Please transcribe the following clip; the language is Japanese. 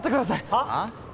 はあ？